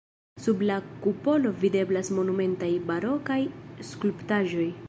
Sub la kupolo videblas monumentaj barokaj skulptaĵoj.